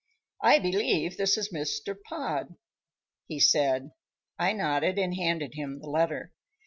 "I believe this is Mr. Pod," he said. I nodded and handed him the letter.